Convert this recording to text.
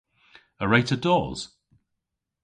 A wre'ta dos?